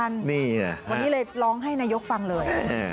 สมขันต์ว่าคนไม่สำคัญวันนี้เลยร้องให้นายกฟังเลย